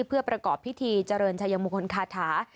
เพื่อประกอบพิธีเจริญชัยมงคลคาถา